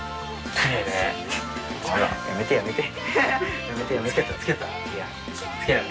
やめてやめて。